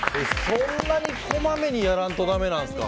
そんなにこまめにやらんとだめなんですか。